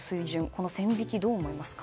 この線引き、どう思いますか？